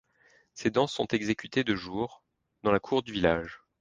Ces danses sont exécutées de jour, dans la cour du village.